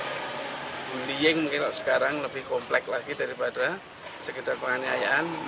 mending mungkin sekarang lebih komplek lagi daripada sekedar penghaniayaan